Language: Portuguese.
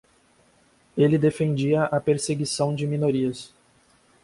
Ele defendia a perseguição de minorias